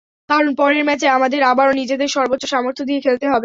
কারণ, পরের ম্যাচে আমাদের আবারও নিজেদের সর্বোচ্চ সামর্থ্য দিয়ে খেলতে হবে।